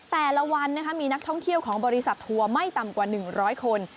แต่ละวันมีนักท่องเที่ยวของบริษัททัวร์ไม่ต่ำกว่า๑๐๐คน